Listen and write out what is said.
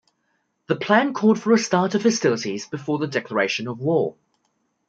The plan called for a start of hostilities before the declaration of war.